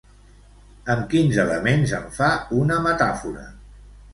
Amb quins elements en fa una metàfora?